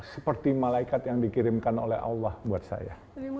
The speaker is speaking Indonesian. seperti malaikat yang dikirimkan oleh allah buat saya